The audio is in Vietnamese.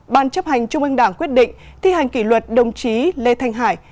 năm bàn chấp hành trung ương đảng quyết định thi hành kỷ luật đồng chí lê thanh hải